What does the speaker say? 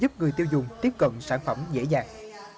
giúp người tiêu dùng tiếp cận sản phẩm dễ dàng